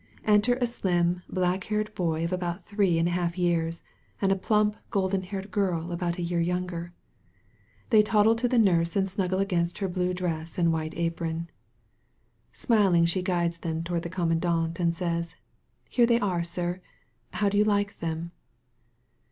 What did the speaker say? Enter a slim black haired boy of about three and a half years and a plump golden haired girl about a year younger. They toddle to the nurse and snuggle against her blue dress and white apron. S2 A CITY OF REFUGE Smiling she guides them toward the commandant and says: ^'Here they are, sir. How do you like them?